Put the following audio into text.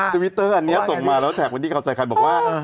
ตวิตเตอร์อันนี้ตกมาแล้วแท็กพันที่เขาจัดขัดบอกว่า